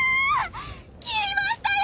斬りましたよ！